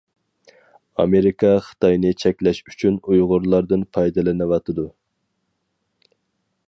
ئامېرىكا خىتاينى چەكلەش ئۈچۈن ئۇيغۇرلاردىن پايدىلىنىۋاتىدۇ.